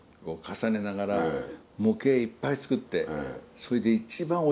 模型いっぱい作ってそれで。